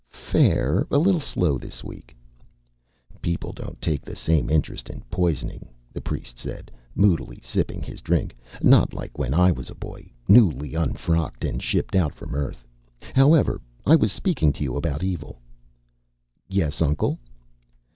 "Fair. A little slow this week." "People don't take the same interest in poisoning," the priest said, moodily sipping his drink. "Not like when I was a boy, newly unfrocked and shipped out from Earth. However. I was speaking to you about Evil." "Yes, Uncle."